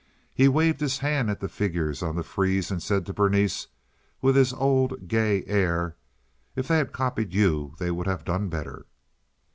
He waved his hand at the figures of the frieze, and said to Berenice, with his old, gay air, "If they had copied you they would have done better."